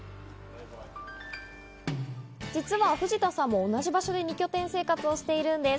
実は藤田さんも同じ場所で二拠点生活をしているんです。